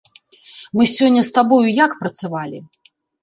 Мы сёння з табою як працавалі?